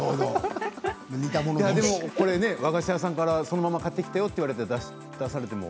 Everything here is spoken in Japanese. でもね、これ和菓子屋さんからそのまま買ってきたよと言われて出されても。